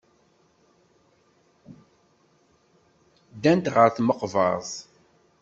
Ddant ɣer tmeqbert.